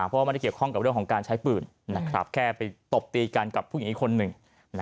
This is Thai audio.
เพราะว่าไม่ได้เกี่ยวข้องกับเรื่องของการใช้ปืนแค่ไปตบตีกันกับผู้หญิงอีกคนหนึ่ง